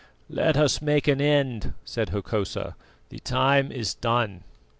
"Let us make an end," said Hokosa, "the time is done."